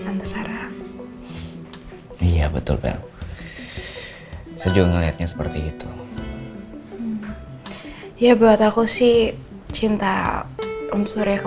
tante sarah iya betul bel sejujurnya lihatnya seperti itu ya buat aku sih cinta unsur ya ke